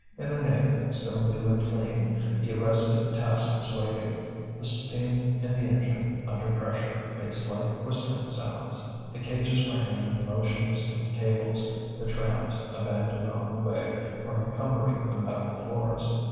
In the nave, still new and clean, the arrested task was waiting; the steam in the engine, under pressure, made slight whistling sounds; the cages were hanging motionless to the cables; the trams, abandoned on the way, were encumbering the metal floors.